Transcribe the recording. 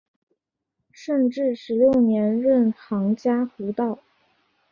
顺治十六年任杭嘉湖道。